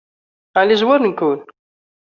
Ɛni zwaren-ken?